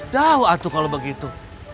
jauh atuh kalau begitu